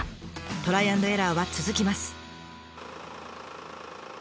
トライアンドエラーは続きます。